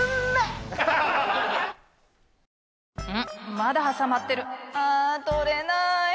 まだはさまってるあ取れない！